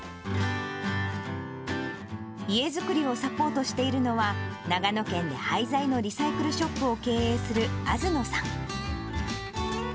家作りをサポートしているのは、長野県で廃材のリサイクルショップを経営する東野さん。